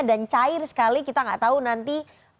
dan cair sekali kita gak tahu nanti